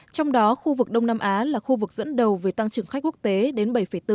trong đó khu vực đông nam á là khu vực dẫn đầu về tăng trưởng khách quốc tế đến bảy bốn